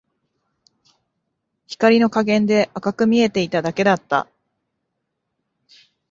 光の加減で赤く見えていただけだった